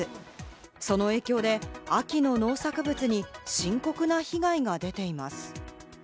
その影響で、秋の農作物に深刻な被害が出ています。